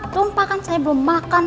tumpah kan saya belum makan